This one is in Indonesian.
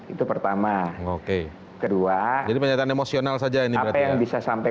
itu pertama kedua apa yang bisa sampai